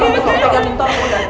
saya gak mau disuntik